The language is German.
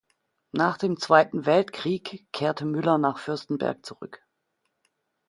Nach dem Zweiten Weltkrieg kehrte Müller nach Fürstenberg zurück.